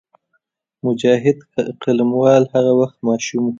مجاهد قلموال هغه وخت ماشوم وو.